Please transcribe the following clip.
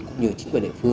cũng như chính phủ